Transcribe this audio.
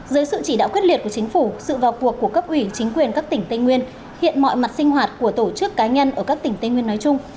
dưới sự chỉ đạo quyết liệt của chính phủ sự vào cuộc của cấp ủy chính quyền các tỉnh tây nguyên hiện mọi mặt sinh hoạt của tổ chức cá nhân ở các tỉnh tây nguyên nói chung